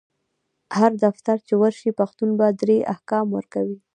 هر دفتر چی ورشي پشتون په دري احکام ورکوي